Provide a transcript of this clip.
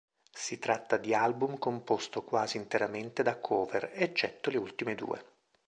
Si tratta di album composto quasi interamente da cover, eccetto le ultime due.